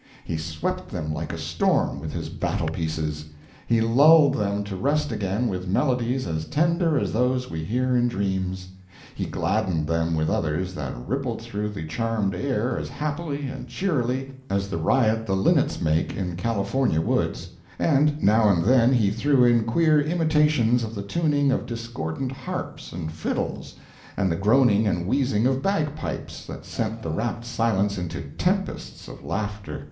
He swept them like a storm, with his battle pieces; he lulled them to rest again with melodies as tender as those we hear in dreams; he gladdened them with others that rippled through the charmed air as happily and cheerily as the riot the linnets make in California woods; and now and then he threw in queer imitations of the tuning of discordant harps and fiddles, and the groaning and wheezing of bag pipes, that sent the rapt silence into tempests of laughter.